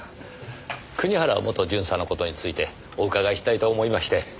国原元巡査の事についてお伺いしたいと思いまして。